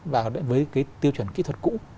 và với cái tiêu chuẩn kỹ thuật cũ